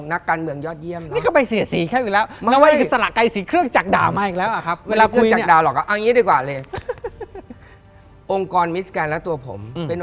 นักการเมืองยอดเยี่ยม